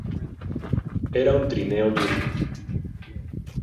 Era un trineo duro.